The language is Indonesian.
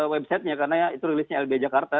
websitenya karena itu rilisnya lb jakarta